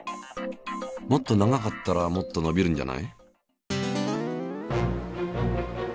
もっと長かったらもっと伸びるんじゃない？